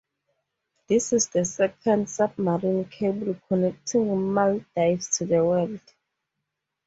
This is the second submarine cable connecting Maldives to the world.